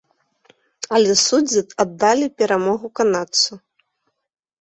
Але суддзі аддалі перамогу канадцу.